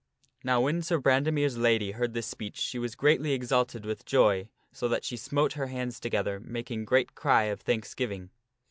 Now when Sir Brandemere's lady heard this speech she was greatly exalted with joy, so that she smote her hands together, making great cry of thanksgiving.